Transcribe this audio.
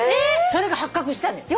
それが発覚したのよ。